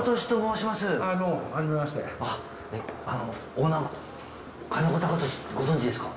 オーナー金子貴俊ってご存じですか？